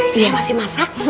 saya masih masak